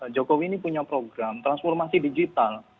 jokowi ini punya program transformasi digital